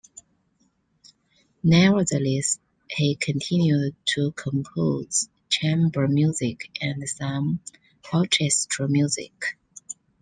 Nevertheless, he continued to compose chamber music, and some orchestral music.